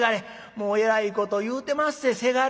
「もうえらいこと言うてまっせせがれ」。